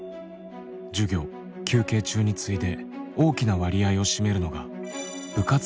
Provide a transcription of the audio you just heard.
授業休憩中に次いで大きな割合を占めるのが部活動などです。